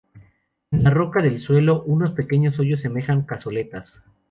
En la roca del suelo, unos pequeños hoyos semejan cazoletas.